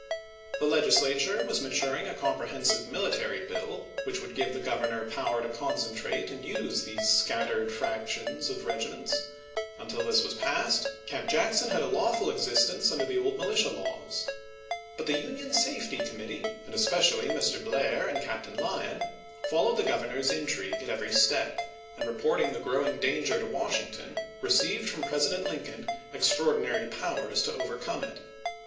The Legislature was maturing a compre hensive military bill which would give the Governor power to concentrate and use these scattered frac tions of regiments. Until this was passed, Camp Jackson to Walker, May 5, 1861. W. R. Series IV., Vol. I., p. 138. 212 ABRAHAM LINCOLN Chap. XI. Jackson had a lawful existence under the old militia laws. But the Union Safety Committee, and es pecially Mr. Blair and Captain Lyon, followed the Governor's intrigue at every step, and reporting the growing danger to Washington received from Pres ident Lincoln extraordinary powers to overcome it.